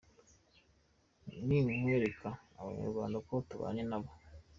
Ni ukwereka abanyarwanda ko tubanye nabo.